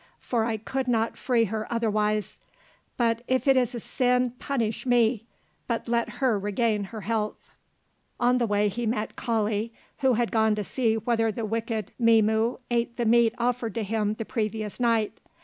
For I could not free her otherwise; but if it is a sin, punish me, but let her regain her health." On the way he met Kali, who had gone to see whether the wicked Mzimu ate the meat offered to him the previous night.